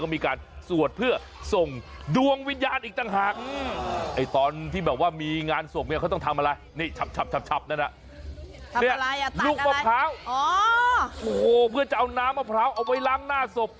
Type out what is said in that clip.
โอ้โหเพื่อจะเอาน้ำมะพร้าวเอาไว้ล้างหน้าศพ